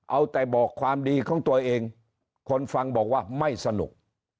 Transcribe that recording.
เอาแต่บอกความดีของตัวเองคนฟังบอกว่าไม่สนุก